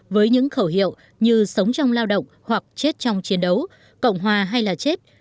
với những khẩu hiệu như sống trong lao động hoặc chết trong chiến đấu cộng hòa hay là chết